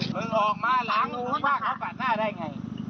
มึงออกมาหลังมึงว่าเขาปาดหน้าได้ไง